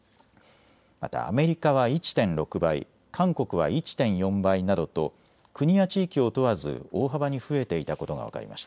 また、アメリカは１．６倍韓国は１．４倍などと国や地域を問わず大幅に増えていたことが分かりました。